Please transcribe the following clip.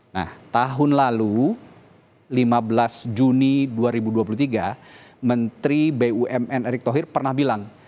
nah tahun lalu lima belas juni dua ribu dua puluh tiga menteri bumn erick thohir pernah bilang